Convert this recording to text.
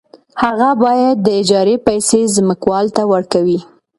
هغه باید د اجارې پیسې ځمکوال ته ورکړي